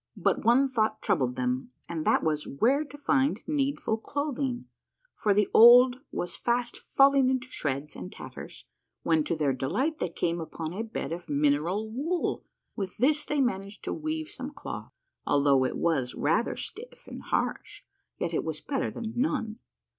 " But one thought troubled them and that was where to find needful clothing, for the old was fast falling into shreds and tatters, when, to their delight, they came upon a bed of mineral wool and with this they managed to weave some cloth. Al though it was rather stiff and liarsh, yet it was better than none.